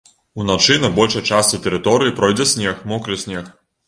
Уначы на большай частцы тэрыторыі пройдзе снег, мокры снег.